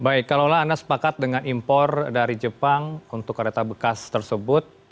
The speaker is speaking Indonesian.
baik kalaulah anda sepakat dengan impor dari jepang untuk kereta bekas tersebut